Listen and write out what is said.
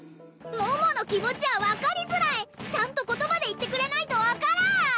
桃の気持ちは分かりづらいちゃんと言葉で言ってくれないと分からん！